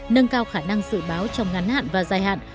nâng cao khả năng dự báo trong ngắn hạn và dài hạn